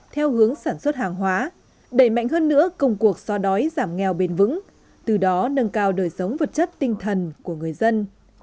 theo hướng sản xuất hàng hóa đẩy mạnh hơn nữa công cuộc so đói giảm nghèo bền vững từ đó nâng cao đời sống vật chất tinh thần của người dân